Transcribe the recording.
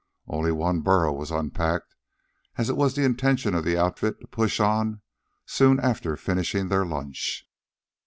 Only one burro was unpacked, as it was the intention of the outfit to push on soon after finishing their lunch.